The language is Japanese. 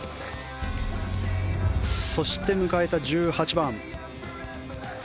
そして、迎えた１８番。